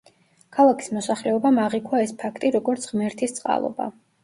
ქალაქის მოსახლეობამ აღიქვა ეს ფაქტი, როგორც ღმერთის წყალობა.